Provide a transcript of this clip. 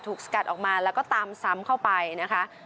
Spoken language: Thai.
สกัดออกมาแล้วก็ตามซ้ำเข้าไปนะคะ